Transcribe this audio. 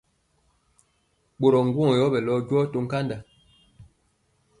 Ɓorɔ ŋgwɔŋ yɔ ɓale jɔɔ to nkanda.